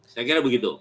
saya kira begitu